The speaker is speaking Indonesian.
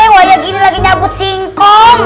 wah yang gini lagi nyabut singkong